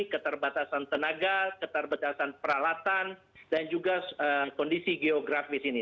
keterbatasan tenaga keterbatasan peralatan dan juga kondisi geografis ini